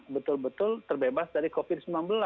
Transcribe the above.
betul betul terbebas dari covid sembilan belas